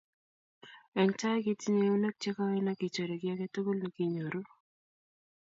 Eng tai, kitinye eunek che koen akichorei kiy aketukul nekinyoru